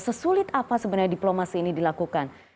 sesulit apa sebenarnya diplomasi ini dilakukan